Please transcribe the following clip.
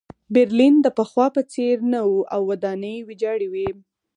برلین د پخوا په څېر نه و او ودانۍ ویجاړې وې